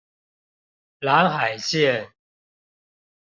藍海線